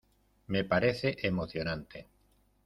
me parece emocionante.